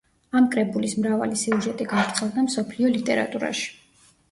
ამ კრებულის მრავალი სიუჟეტი გავრცელდა მსოფლიო ლიტერატურაში.